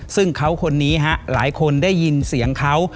ซึ่งเขาคนนี้ฮะหลายคนได้ยินเสียงเขา